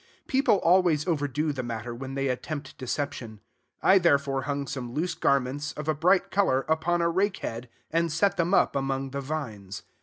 People always overdo the matter when they attempt deception. I therefore hung some loose garments, of a bright color, upon a rake head, and set them up among the vines.